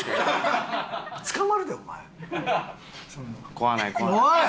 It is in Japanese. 怖ない怖ない。